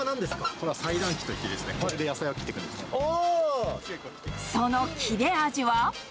これは裁断機といってですね、その切れ味は。